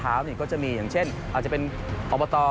ก็จะมีอย่างเช่นอาจจะเป็นอบต